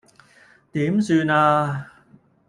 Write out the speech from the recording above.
點算呀